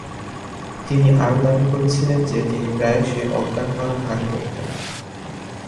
তিনি আরও দাবি করেছিলেন যে তিনি প্রায়শই অজ্ঞান হওয়ার ভান করতেন।